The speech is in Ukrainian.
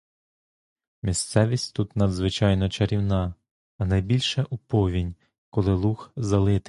Місцевість тут надзвичайно чарівна, а найбільше у повінь, коли луг залитий.